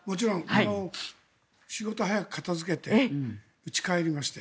昨日は仕事を早く片付けてうちに帰りましたよ。